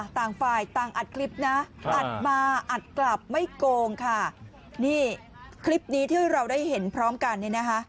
ต่างฝ่ายต่างอัดคลิปนะอัดมาอัดกลับไม่โกงค่ะนี่คลิปนี้ที่เราได้เห็นพร้อมกันเนี่ยนะคะ